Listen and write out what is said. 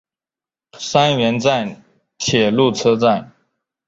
三原站铁路车站。